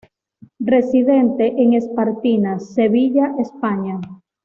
Residente en Espartinas, Sevilla, España.